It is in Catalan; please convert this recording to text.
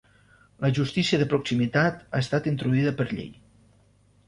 La justícia de proximitat ha estat introduïda per llei.